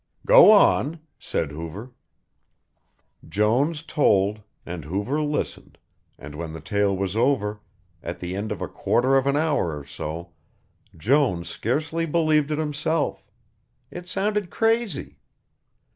"Go on," said Hoover. Jones told, and Hoover listened and when the tale was over, at the end of a quarter of an hour or so, Jones scarcely believed it himself. It sounded crazy.